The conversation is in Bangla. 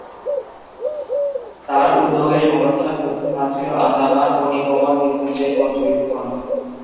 তাঁর উদ্যোগে সংস্থার প্রথম কাজ ছিল আন্দামান ও নিকোবর দ্বীপপুঞ্জের পর্যবেক্ষণ।